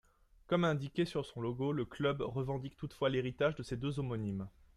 Comme indiqué sur son logo, le club revendique toutefois l'héritage de ces deux homonymes.